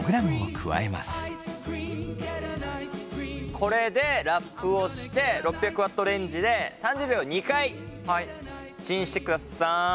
これでラップをして６００Ｗレンジで３０秒を２回チンしてください。